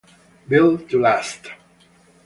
Built to Last